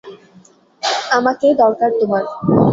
আমাকে দরকার তোমার।